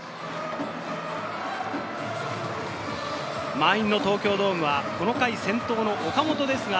満員の東京ドームは、この回先頭の岡本です。